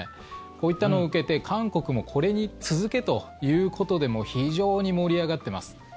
こういったのを受けて韓国もこれに続けということで非常に盛り上がってます。